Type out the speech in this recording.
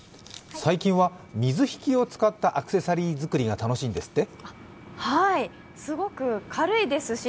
最近は水引を使ったアクセサリー作りが楽しいんですって？